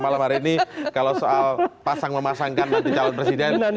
malam hari ini kalau soal pasang memasangkan nanti calon presiden